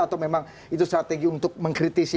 atau memang itu strategi untuk mengkritisi